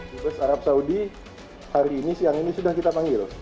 dubes arab saudi hari ini siang ini sudah kita panggil